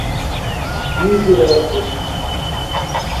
indireto